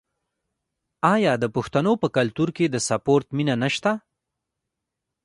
آیا د پښتنو په کلتور کې د سپورت مینه نشته؟